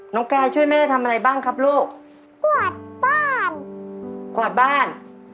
กายช่วยแม่ทำอะไรบ้างครับลูกกวาดบ้านกวาดบ้าน